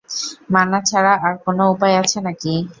মানা ছাড়া আর কোনো উপায় আছে নাকি?